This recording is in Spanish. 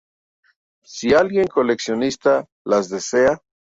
Si alguien coleccionista las desea.